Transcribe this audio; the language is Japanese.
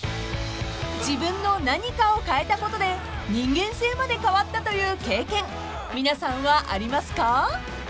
［自分の何かを変えたことで人間性まで変わったという経験皆さんはありますか？］